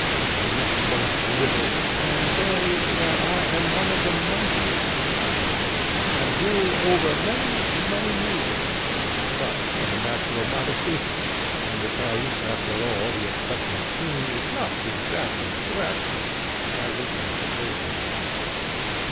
I might boast a little and say, that I am one of the mightiest of kings, and rule over many, many millions; but from a natural modesty, and because, after all, the expression, king, is not exactly correct, I will pass it over.